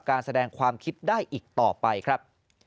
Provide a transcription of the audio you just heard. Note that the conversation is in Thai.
การแสดงความคิดได้อีกต่อไปครับ